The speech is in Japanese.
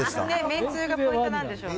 めんつゆがポイントなんでしょうね。